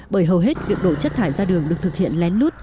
bởi hầu hết việc đổ chất thải ra đường được thực hiện lén lút